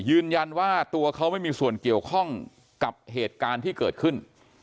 ยืนยันว่าตัวเขาไม่มีส่วนเกี่ยวข้องกับเหตุการณ์ที่เกิดขึ้น